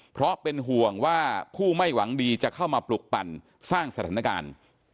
เพราะเป็นห่วงว่าผู้ไม่หวังดีจะเข้ามาปลุกปั่นสร้างสถานการณ์